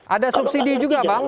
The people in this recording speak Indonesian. ada subsidi juga bang